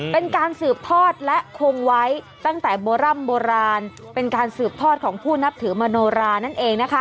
เป็นการสืบทอดและคงไว้ตั้งแต่โบร่ำโบราณเป็นการสืบทอดของผู้นับถือมโนรานั่นเองนะคะ